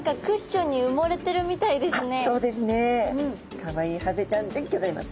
かわいいハゼちゃんでギョざいます。